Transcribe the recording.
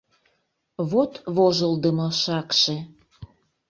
Вот вожылдымо шакше!